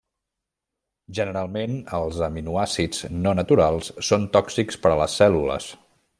Generalment, els aminoàcids no naturals són tòxics per a les cèl·lules.